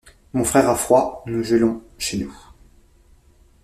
Mon frère a froid, nous gelons chez nous.